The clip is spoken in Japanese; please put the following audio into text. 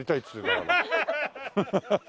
アハハハ。